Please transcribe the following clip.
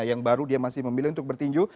yang baru dia masih memilih untuk bertinju